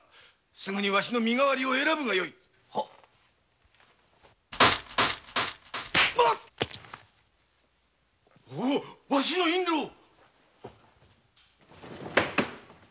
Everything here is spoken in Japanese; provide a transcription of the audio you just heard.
すぐにもわしの身代わりを選ぶがよいおおわしのインロウ。